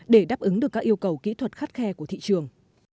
để đáp ứng được các yêu cầu kỹ thuật khắt khe của thị trường